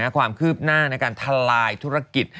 ความคืบหน้าในการทลายธุรกิจ